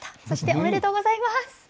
そしておめでとうございます！